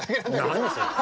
何それ。